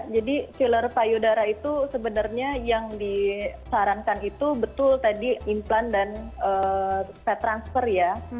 jadi filler payudara itu sebenarnya yang disarankan itu betul tadi implant dan pet transfer ya